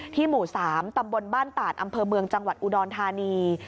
หมู่๓ตำบลบ้านตาดอำเภอเมืองจังหวัดอุดรธานี